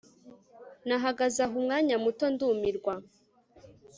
nahagaze aho umwanya muto, ndumirwa